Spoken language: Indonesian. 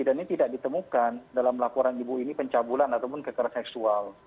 dan ini tidak ditemukan dalam laporan ibu ini pencabulan ataupun kekeras seksual